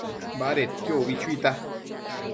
Badedquio ubi chuita